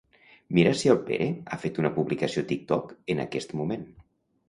Mira si el Pere ha fet una publicació a TikTok en aquest moment.